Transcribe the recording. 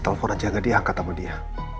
telepon aja gak diangkat sama dia